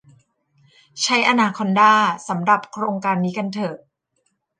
ใช้อนาคอนดาสำหรับโครงการนี้กันเถอะ